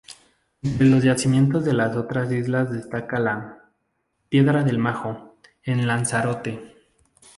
Entre los yacimientos de las otras islas destaca la "Piedra del Majo" en Lanzarote.